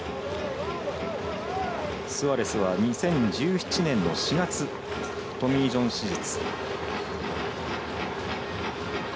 スアレスは２０１７年４月トミー・ジョン手術。